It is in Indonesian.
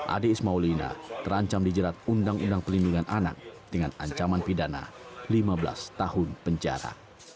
adik ismaulina terancam dijerat undang undang pelindungan anak dengan ancaman pidana lima belas tahun penjara